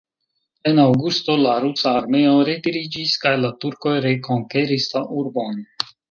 En aŭgusto, la rusa armeo retiriĝis kaj la turkoj rekonkeris la urbon.